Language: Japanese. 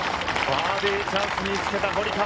バーディーチャンスにつけた堀川。